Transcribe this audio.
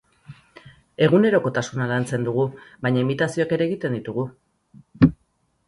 Egunerokotasuna lantzen dugu, baina imitazioak ere egiten ditugu.